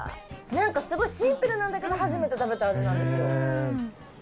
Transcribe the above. なんかすごいシンプルなんだけど、初めて食べた味なんですよ。